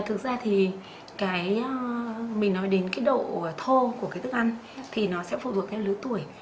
thực ra thì cái mình nói đến cái độ thô của cái thức ăn thì nó sẽ phụ thuộc cái lứa tuổi